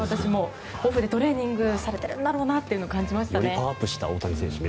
オフでトレーニングされているんだろうなと感じましたね。